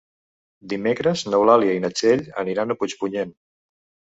Dimecres n'Eulàlia i na Txell aniran a Puigpunyent.